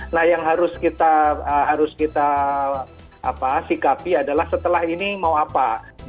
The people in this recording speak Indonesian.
nah yang harus kita sikapi adalah setelah ini mau apa